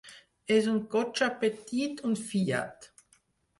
Es un cotxe petit, un fiat.